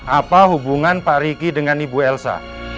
apa hubungan pak riki dengan ibu elsa